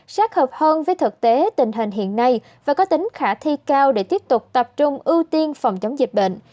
sát hợp hơn với thực tế tình hình hiện nay và có tính khả thi cao để tiếp tục tập trung ưu tiên phòng chống dịch bệnh